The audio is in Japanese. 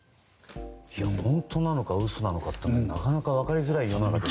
本当なのか嘘なのかなかなか分かりづらい世の中ですね。